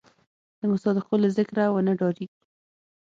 د مصادقو له ذکره ونه ډارېږي.